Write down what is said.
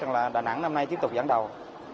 rằng là đà nẵng năm nay tiếp tục dẫn đầu